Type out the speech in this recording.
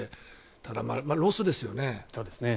ただ、ロスですよね。